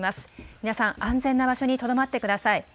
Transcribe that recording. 皆さん、安全な場所にとどまってください。